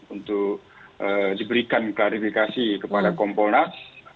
untuk diberikan klarifikasi kepada kompolnas